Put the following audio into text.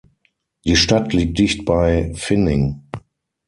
Die Stadt liegt dicht bei Vining.